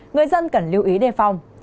người dân cần lưu ý đề phòng